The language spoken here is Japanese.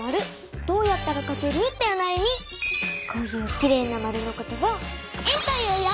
こういうきれいなまるのことを円と言うよ。